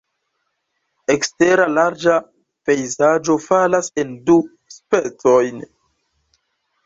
Ekstera larĝa pejzaĝo falas en du specojn.